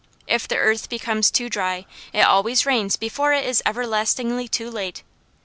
If the earth becomes too dry, it always rains before it is everlastingly too late.